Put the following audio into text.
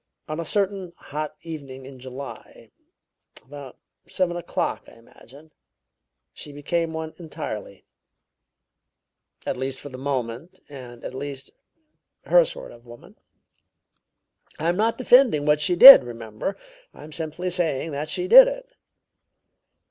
On a certain hot evening in July about seven o'clock, I imagine she became one entirely; at least, for the moment, and, at least, her sort of woman. I am not defending what she did, remember; I am simply saying that she did it.